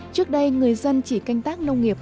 trước đây người dân chỉ canh tác nông nghiệp